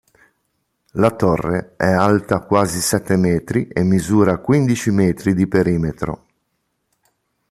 La torre è alta quasi sette metri e misura quindici metri di perimetro.